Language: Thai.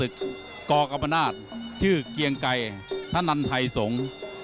กรกรรมนาฏชื่อเกียงไก่ท่านนันท์ไทยสงฆ์